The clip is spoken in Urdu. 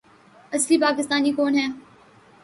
اصلی پاکستانی کون ہے